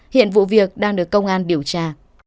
hiện vụ việc đang được công an biểu trà